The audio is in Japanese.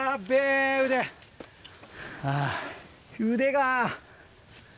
腕が！